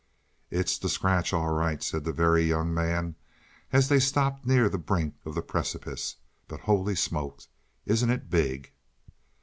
"It's the scratch all right," said the Very Young Man, as they stopped near the brink of the precipice, "but, holy smoke! Isn't it big?"